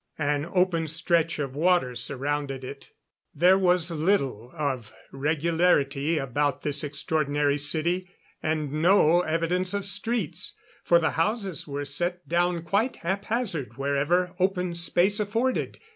An open stretch of water surrounded it. There was little of regularity about this extraordinary city, and no evidence of streets, for the houses were set down quite haphazard wherever open space afforded.